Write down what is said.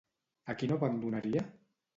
A qui no abandonaria?